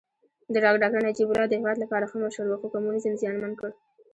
داکتر نجيب الله د هېواد لپاره ښه مشر و خو کمونيزم زیانمن کړ